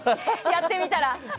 やってみたら。